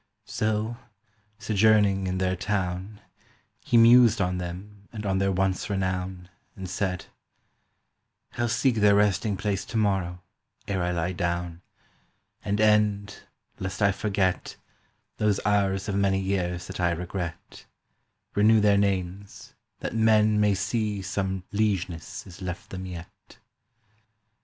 So, sojourning in their town, He mused on them and on their once renown, And said, "I'll seek their resting place to morrow Ere I lie down, "And end, lest I forget, Those ires of many years that I regret, Renew their names, that men may see some liegeness Is left them yet."